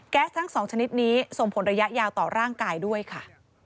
ทั้งสองชนิดนี้ส่งผลระยะยาวต่อร่างกายด้วยค่ะ